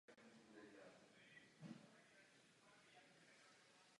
Tom poté přivádí do sklepení svého přítele Franka a odhalí mu celý zločin.